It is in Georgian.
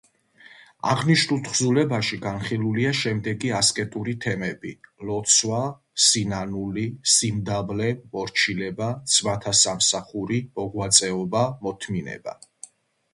აღნიშნულ თხზულებაში განხილულია შემდეგი ასკეტური თემები: ლოცვა, სინანული, სიმდაბლე, მორჩილება, ძმათა სამსახური, მოღვაწეობა, მოთმინება.